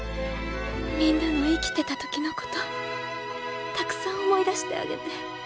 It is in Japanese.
皆の生きてた時のことたくさん思い出してあげて。